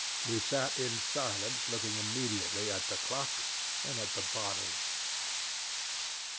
We sat in silence looking alternately at the clock and at the bottles.